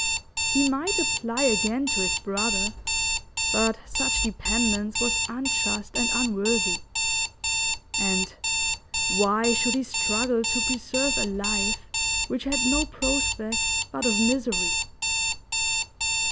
He might apply again to his brother, but such dependence was unjust and unworthy. And why should he struggle to preserve a life which had no prospect but of misery?